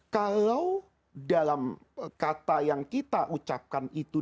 kalau dalam kata yang kita ucapkan itu